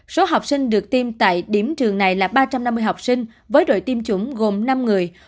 số học sinh được tiêm tại điểm trường này là ba trăm năm mươi học sinh với đội tiêm chủng gồm năm người